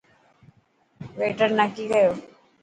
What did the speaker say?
ويٽر نا ڪي ڪيو.